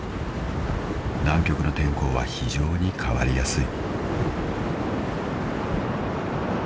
［南極の天候は非常に変わりやすい］